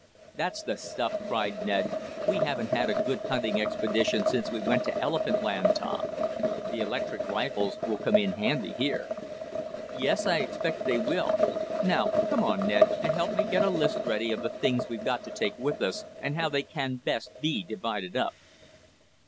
"That's the stuff!" cried Ned. "We haven't had a good hunting expedition since we went to elephant land, Tom. The electric rifles will come in handy here." "Yes, I expect they will. Now come on, Ned, and help me get a list ready of the things we've got to take with us, and how they can best be divided up."